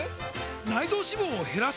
内臓脂肪を減らす！？